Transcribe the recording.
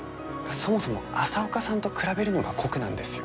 そもそも朝岡さんと比べるのが酷なんですよ。